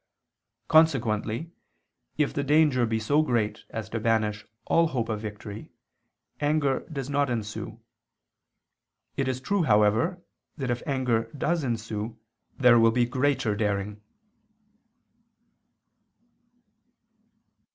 Consequently if the danger be so great as to banish all hope of victory, anger does not ensue. It is true, however, that if anger does ensue, there will be greater daring.